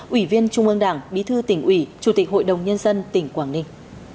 ủy viên trung ương đảng bí thư tỉnh ủy chủ tịch hội đồng nhân dân tỉnh quảng ninh